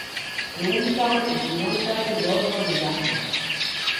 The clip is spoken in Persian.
به او میتوان اطمینان کرد که راز را نگه دارد.